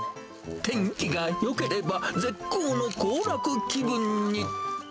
天気がよければ、絶好の行楽気分に。